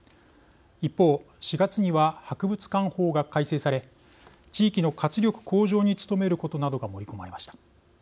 一方、４月には博物館法が改正され地域の活力向上に努めることなどが盛り込まれました。